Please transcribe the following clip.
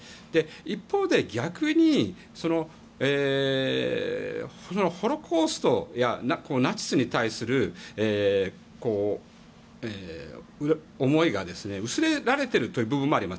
一方で逆に、ホロコーストやナチスに対する思いが薄れられているという部分もあります。